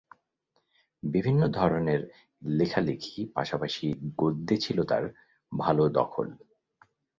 বিভিন্ন ধরনের লেখালেখি পাশাপাশি গদ্যে ছিল তার ভালো দখল।